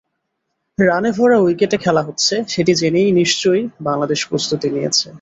রানে ভরা উইকেটে খেলা হচ্ছে, সেটি জেনেই নিশ্চয়ই বাংলাদেশ প্রস্তুতি নিয়েছে।